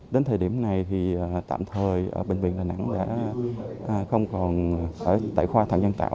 đến thời điểm này thì tạm thời ở bệnh viện đà nẵng đã không còn tại khoa thạng dân tạo